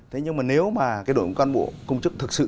thế nhưng mà nếu mà cái đội ngũ công chức thực sự